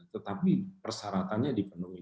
tetapi persyaratannya dipenuhi